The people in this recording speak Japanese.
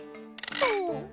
そう。